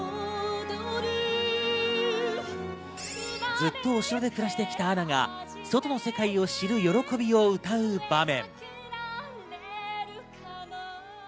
ずっと、お城で暮らしてきたアナが外の世界を知る喜びを歌う場面。